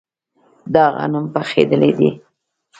دا غنم پخیدلي دي.